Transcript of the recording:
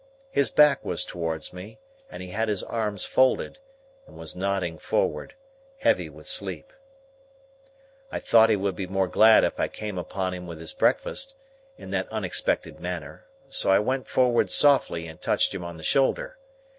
His back was towards me, and he had his arms folded, and was nodding forward, heavy with sleep. I thought he would be more glad if I came upon him with his breakfast, in that unexpected manner, so I went forward softly and touched him on the shoulder.